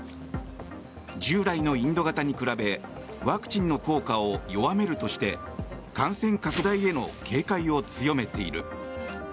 従来のインド型に比べワクチンの効果を弱めるとして感染拡大への警戒を強めている。